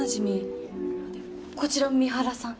でこちら三原さん。